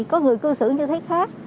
có người cơ sử như thế khác